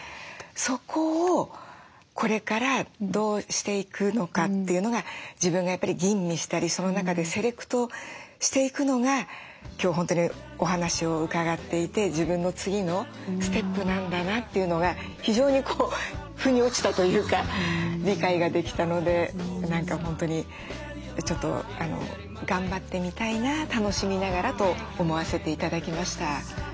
そこをこれからどうしていくのかというのが自分がやっぱり吟味したりその中でセレクトしていくのが今日本当にお話を伺っていて自分の次のステップなんだなというのが非常に腑に落ちたというか理解ができたので何か本当にちょっと頑張ってみたいな楽しみながらと思わせて頂きました。